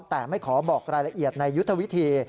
แต่ไม่ขอบอกรายละเอียดในยุทธวิธี